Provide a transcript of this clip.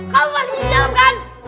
kalau masih di dalam kan